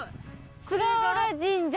菅原神社。